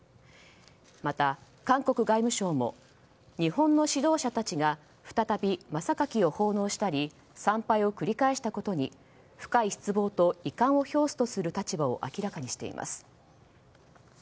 また、韓国外務省も日本の指導者たちが再び真榊を奉納したり参拝を繰り返したことに深い失望と遺憾を表すとする立場を明らかにしています。